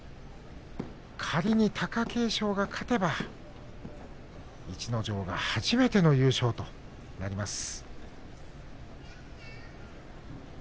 仮に貴景勝が勝てば逸ノ城が初めての優勝となります。